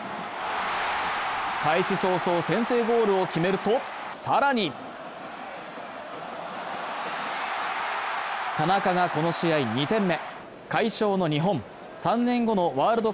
開始早々、先制ゴールを決めると、更に田中がこの試合２点目。